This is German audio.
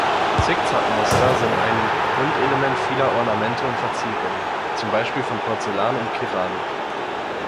Zickzack-Muster sind ein Grundelement vieler Ornamente und Verzierungen, zum Beispiel von Porzellan und Keramik.